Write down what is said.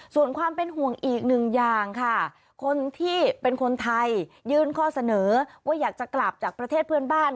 ส่วนความเป็นห่วงอีกหนึ่งอย่างค่ะคนที่เป็นคนไทยยื่นข้อเสนอว่าอยากจะกลับจากประเทศเพื่อนบ้าน